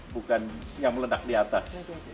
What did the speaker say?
bukan yang meledak di atas